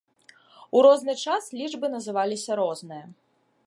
У розны час лічбы называліся розныя.